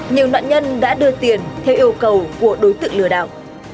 nhiều nạn nhân đã đưa tiền theo yêu cầu của đối tượng lừa đảo